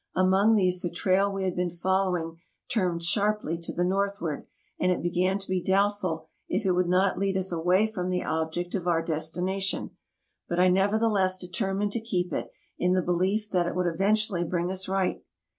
Among these the trail we had been following turned sharply to the northward, and it began to be doubtful if it would not lead us away from the object of our destination ; but I neverthe less determined to keep it, in the belief that it would eventu ally bring us right.